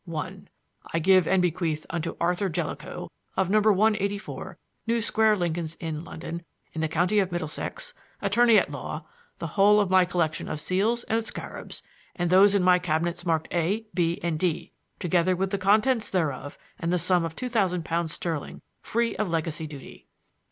"1. I give and bequeath unto Arthur Jellicoe of number 184 New Square Lincoln's Inn London in the county of Middlesex Attorney at law the whole of my collection of seals and scarabs and those in my cabinets marked A, B, and D together with the contents thereof and the sum of two thousand pounds sterling free of legacy duty.